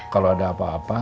kalau ada apa apa